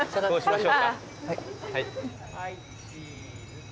はいチーズ。